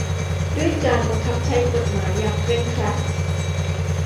ด้วยการบังคับใช้กฎหมายอย่างเคร่งครัด